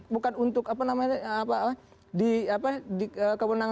bukan untuk apa namanya